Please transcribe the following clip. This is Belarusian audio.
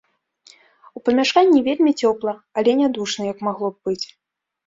У памяшканні вельмі цёпла, але не душна, як магло б быць.